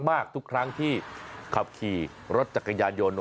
สติตัวเองมากทุกครั้งที่ขับขี่รถจักรยานยนต์